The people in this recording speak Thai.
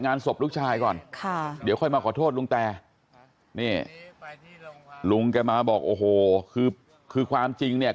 งานศพลูกชายก่อนค่ะเดี๋ยวค่อยมาขอโทษลุงแตนี่ลุงแกมาบอกโอ้โหคือคือความจริงเนี่ย